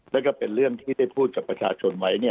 แล้วก็เป็นเรื่องที่ได้พูดกับประชาชนไว้